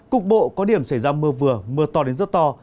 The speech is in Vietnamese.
cục bộ có điểm xảy ra mưa vừa mưa to đến rất to